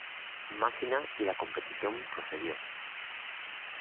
Máquina y la competición procedió.